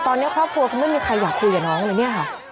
ตอนนี้ครอบครัวคือไม่มีใครอยากคุยกับน้องเลยเนี่ยค่ะ